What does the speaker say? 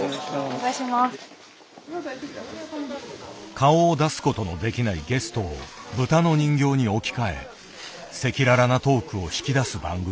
顔を出すことのできないゲストをブタの人形に置き換え赤裸々なトークを引き出す番組。